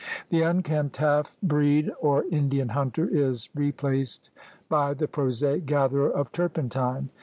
The unkempt half breed or Indian hunter is replaced by the prosaic gatherer of turpentine.